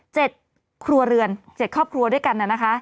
เกิดเกิดครัวเรือนเกิดครอบครัวด้วยกัน